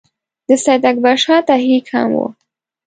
د سید اکبر شاه تحریک هم وو.